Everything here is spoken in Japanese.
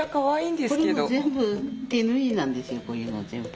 これも全部手縫いなんですよこういうの全部。